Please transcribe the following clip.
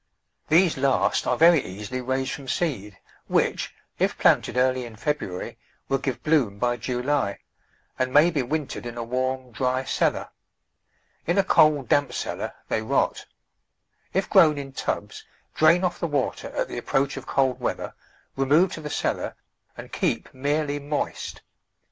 These last are very easily raised from seed, which, if planted early in February, will give bloom by July, and may be wintered in a warm, dry cellar. In a cold, damp cellar they rot. If grown in tubs drain off the water at the approach of cold weather, remove to the cellar and keep merely moist.